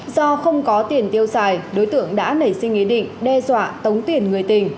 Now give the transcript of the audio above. do không có tiền tiêu xài đối tượng đã nảy sinh ý định đe dọa tống tiền người tình